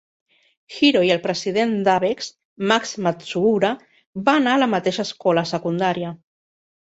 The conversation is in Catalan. Hiro i el president d'Avex, Max Matsuura, va anar a la mateixa escola secundària.